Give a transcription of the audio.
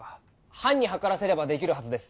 藩に測らせればできるはずです。